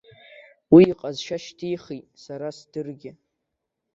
Уи иҟазшьа шьҭихит сара сдыргьы.